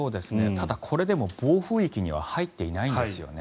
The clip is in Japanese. ただ、これでも暴風域には入っていないんですよね。